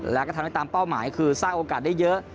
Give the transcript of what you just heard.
แล้วก็ทำได้ตามเป้าหมายคือสร้างโอกาสได้เยอะ